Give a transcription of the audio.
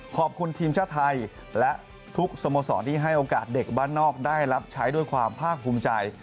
ขอบคุณทีมชาติไทยและทุกสโมสรที่ให้โอกาสเด็กบ้านนอกได้รับใช้ด้วยความภาคภูมิใจ